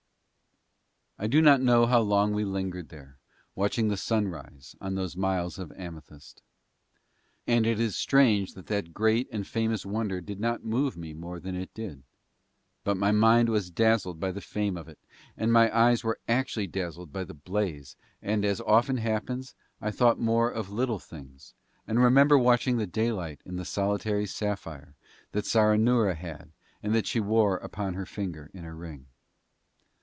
I do not know how long we lingered there watching the sunrise on those miles of amethyst. And it is strange that that great and famous wonder did not move me more than it did, but my mind was dazzled by the fame of it and my eyes were actually dazzled by the blaze, and as often happens I thought more of little things and remember watching the daylight in the solitary sapphire that Saranoora had and that she wore upon her finger in a ring.